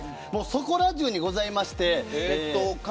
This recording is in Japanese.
そこらじゅうにございまして。